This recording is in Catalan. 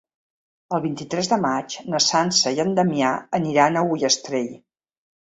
El vint-i-tres de maig na Sança i en Damià aniran a Ullastrell.